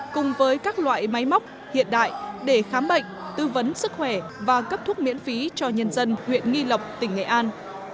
cùng với các loại máy móc hiện đại để khám bệnh tư vấn sức khỏe và cấp thuốc miễn phí cho nhân dân huyện nghi lộc tỉnh nghệ an